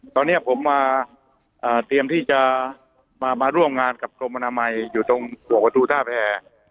ตอนนี้ผมมาเตรียมที่จะมาร่วมงานกับกรมอนามัยอยู่ตรงหัวประตูท่าแพร